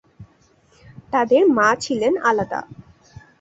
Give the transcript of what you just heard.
তাদের মা ছিলেন আলাদা।